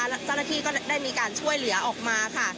เจ้าหน้าที่ก็ได้มีการช่วยเหลือออกมาค่ะ